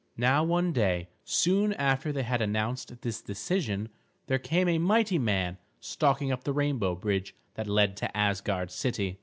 Now one day, soon after they had announced this decision, there came a mighty man stalking up the rainbow bridge that led to Asgard city.